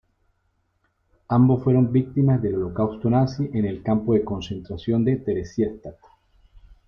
Ambos fueron víctimas del holocausto nazi en el campo de concentración de Theresienstadt.